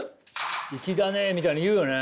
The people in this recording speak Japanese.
「いきだねえ」みたいに言うよね。